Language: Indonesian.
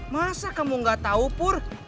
masa kamu gak tahu pur